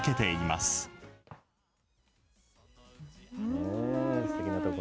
すてきな所。